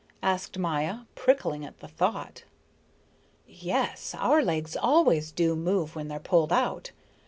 asked Maya, prickling at the thought. "Yes. Our legs always do move when they're pulled out.